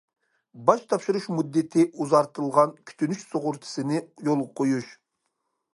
باج تاپشۇرۇش مۇددىتى ئۇزارتىلغان كۈتۈنۈش سۇغۇرتىسىنى يولغا قويۇش.